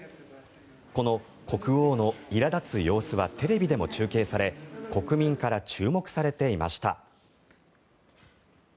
この国王のいら立つ様子はテレビでも中継され国民から注目されていました。